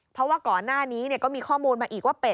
เพราะว่าก่อนหน้านี้ก็มีข้อมูลมาอีกว่า